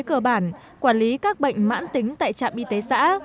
cơ bản quản lý các bệnh mãn tính tại trạm y tế xã